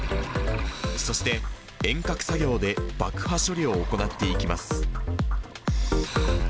そして遠隔作業で爆破処理を行っていきます。